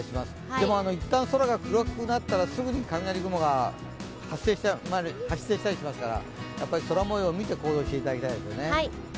でも、一旦空が暗くなったら、すぐに雷雲が発生したりしますから、空もようを見て行動していただきたいですね。